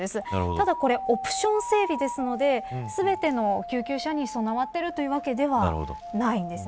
ただ、オプション整備ですので全ての救急車に備わっているというわけではないんです。